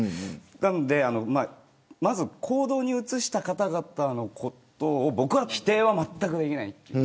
なので行動に移した方々のことを僕は否定は、まったくできない。